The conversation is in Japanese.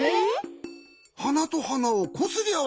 はなとはなをこすりあわせる。